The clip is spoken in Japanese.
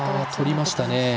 とりましたね。